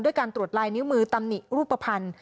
การตรวจลายนิ้วมือตำหนิรูปภัณฑ์